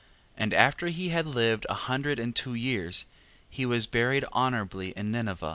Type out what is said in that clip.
14:2. And after he had lived a hundred and two years, he was buried honorably in Ninive.